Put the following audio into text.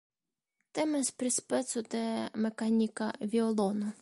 Temas pri speco de mekanika violono.